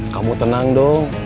kamu tenang dong